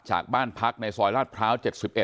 จากบ้านพักในซอยลาดพร้าว๗๑